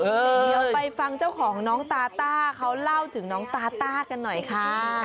เดี๋ยวไปฟังเจ้าของน้องตาต้าเขาเล่าถึงน้องตาต้ากันหน่อยค่ะ